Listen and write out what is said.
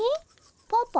パパ？